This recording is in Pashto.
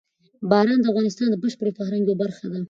باران د افغانستان د بشري فرهنګ یوه برخه ده.